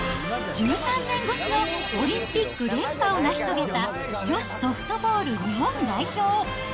１３年越しのオリンピック連覇を成し遂げた女子ソフトボール日本代表。